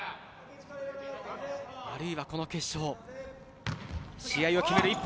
あるいは、この決勝試合を決める